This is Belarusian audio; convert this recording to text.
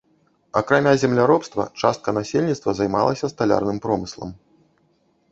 Акрамя земляробства частка насельніцтва займалася сталярным промыслам.